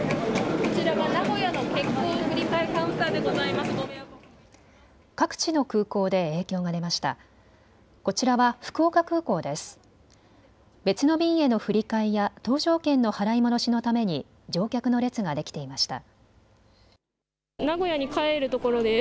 こちらは福岡空港です。